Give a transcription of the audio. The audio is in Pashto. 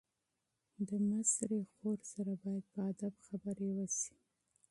د مشرې خور سره باید په ادب خبرې وشي.